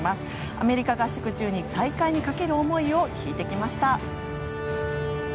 アメリカ合宿中に、大会にかける思いを聞いてきました。